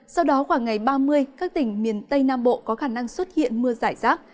sau đó khoảng ngày ba mươi các tỉnh miền tây nam bộ có khả năng xuất hiện mưa giải rác